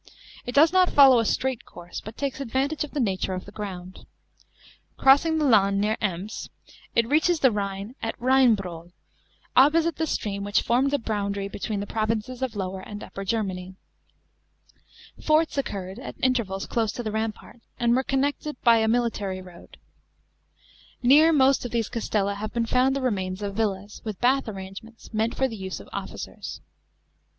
It does not follow a straight course, but takes advantage of the nature of the ground. Crossing the Lahn near Ems, it reaches the Rhine at Rheinbrohl, opt>osite the stream which formed the boundary between the provinces of Lower and Upper Germany. Forts occurred at intervals close to the rampart, and were connected by a 70 96 A.D. THE LIMES GEKMANICUS. 405 military road.* Near most of these castella have been found the remains of villas, with bath arrangements, meaut for ttie use of officers.